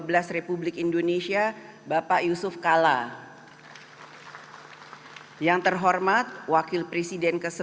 presiden ke sepuluh dan ke dua belas republik indonesia bapak yusuf kalla yang terhormat wakil presiden ke sebelas republik